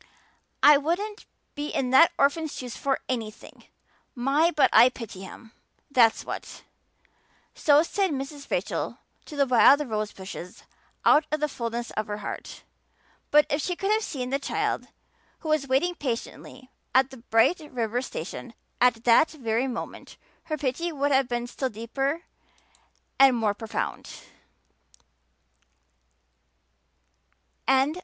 I wouldn't be in that orphan's shoes for anything. My, but I pity him, that's what." So said Mrs. Rachel to the wild rose bushes out of the fulness of her heart; but if she could have seen the child who was waiting patiently at the Bright River station at that very moment her pity would have been still deeper and more profound.